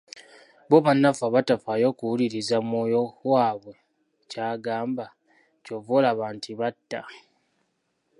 Bo bannaffe abatafaayo kuwuliriza mwoyo waabwe ky'abagamba, kyova olaba nti batta.